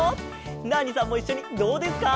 ナーニさんもいっしょにどうですか？